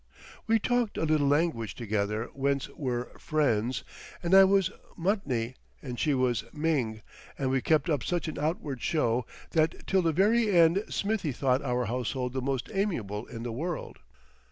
We talked a little language together whence were "friends," and I was "Mutney" and she was "Ming," and we kept up such an outward show that till the very end Smithie thought our household the most amiable in the world.